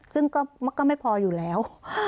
ซึ่งก็ไม่พออยู่แล้ว